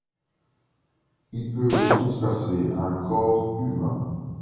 Il peut transpercer un corps humain.